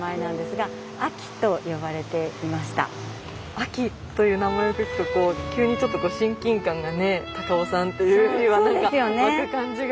「あき」という名前を聞くとこう急にちょっと親近感がね高尾さんというよりは何か湧く感じが。